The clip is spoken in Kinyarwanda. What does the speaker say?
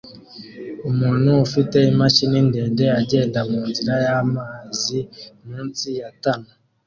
umuntu ufite imashini ndende agenda munzira y'amazi munsi ya tunnel